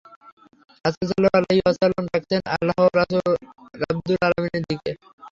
রাসূল সাল্লাল্লাহু আলাইহি ওয়াসাল্লাম ডাকছেন আল্লাহ রাব্দুল আলামীনের দিকে।